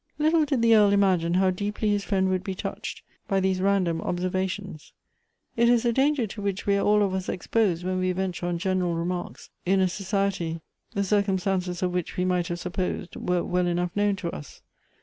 Little did the Earl imagine how deeply his friend would be touched by these random observations. It is a danger to which we are all of us exposed when we ven ture on general remarks in a society the circumstances of which we might have supposed were well enough known to us.